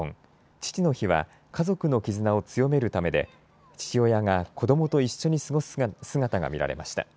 父の日は家族の絆を強めるためで父親が子どもと一緒に過ごす姿が見られました。